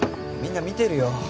みんな見てるよ。